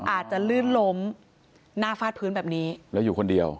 อาจจะลื่นล้มหน้าฟาดพื้นแบบนี้แล้วอยู่คนเดียว